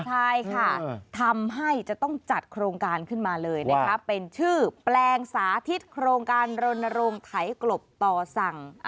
ใช่ค่ะทำให้จะต้องจัดโครงการขึ้นมาเลยนะคะเป็นชื่อแปลงสาธิตโครงการรณรงค์ไถกลบต่อสั่ง